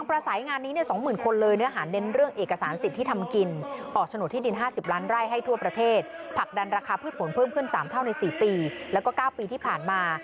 เพิ่มขึ้นสามเท่าในสี่ปีและก็เก้าปีที่ผ่านมา